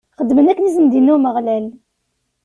Xedmen akken i sen-d-inna Umeɣlal.